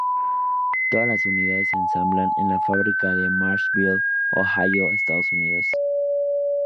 Todas las unidades se ensamblan en la fábrica de Marysville, Ohio, Estados Unidos.